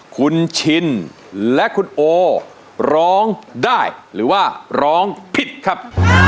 คุณชินและคุณโอร้องได้หรือว่าร้องผิดครับ